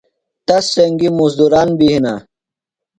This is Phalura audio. تس سنگیۡ مُزدُران بیۡ ہِنہ۔